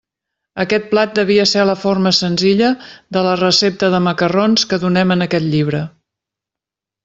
Aquest plat devia ser la forma senzilla de la recepta de macarrons que donem en aquest llibre.